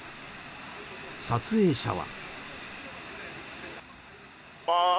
撮影者は。